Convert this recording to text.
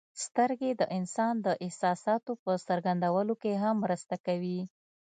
سترګې د انسان د احساساتو په څرګندولو کې هم مرسته کوي.